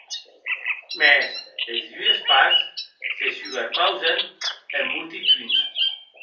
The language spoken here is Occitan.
Mès es dues parts se suberpausen en molti punts.